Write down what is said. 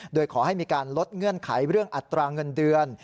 โดยขอให้มีการลดเงื่อนไขเรื่องอัตราเงินเดือน